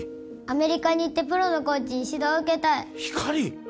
アメリカに行ってプロのコーチに指導を受けたいひかり！？